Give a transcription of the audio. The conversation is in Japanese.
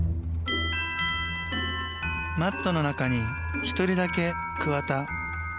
Ｍａｔｔの中に１人だけ桑田。